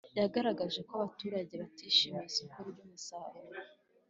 Yagaragaje ko abaturage batishimiye isoko ry ‘umusaruro.